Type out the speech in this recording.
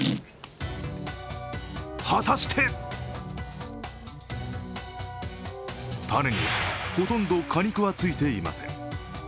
果たして種にほとんど果肉はついていません。